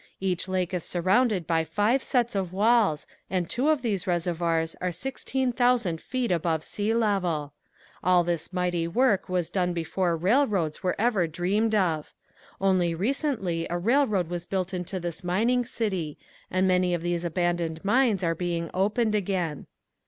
Each lake is surrounded by five sets of walls and two of these reservoirs are sixteen thousand feet above sea level. All this mighty work was done before railroads were ever dreamed of. Only recently a railroad was built into this mining city and many of these abandoned mines are being opened again.